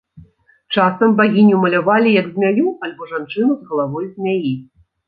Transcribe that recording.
Часам багіню малявалі як змяю альбо жанчыну з галавой змяі.